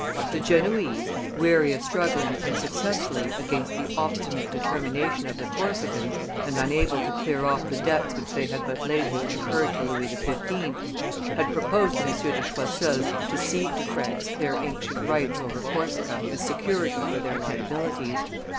The Genoese, weary of struggling unsuccessfully against the obstinate determination of the Corsicans, and unable to clear off the debts which they had but lately incurred to Louis XV., had proposed to M. de Choiseul to cede to France their ancient rights over Corsica, as security for their liabilities.